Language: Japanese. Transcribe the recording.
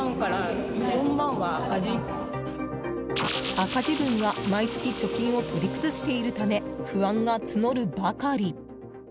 赤字分は毎月貯金を取り崩しているため不安が募るばかり。